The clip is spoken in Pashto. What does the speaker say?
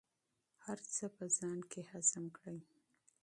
هر څه په ځان کې هضم کړئ.